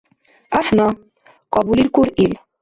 — ГӀяхӀна, — кьабулиркур ил.